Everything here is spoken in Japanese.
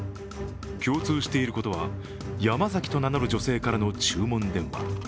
共通していることはヤマザキと名乗る女性からの注文電話。